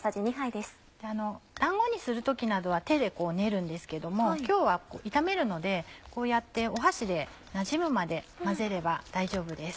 団子にする時などは手で練るんですけども今日は炒めるのでこうやって箸でなじむまで混ぜれば大丈夫です。